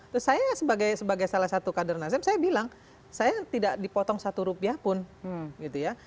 terus saya sebagai salah satu kader nasdem saya bilang saya tidak dipotong satu rupiah pun gitu ya